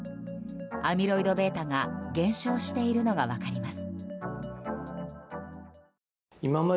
アミロイドβが減少しているのが分かります。